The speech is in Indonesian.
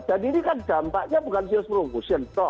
dan ini kan dampaknya bukan sales promotion tau